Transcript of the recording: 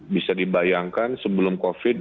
bisa dibayangkan sebelum covid sembilan belas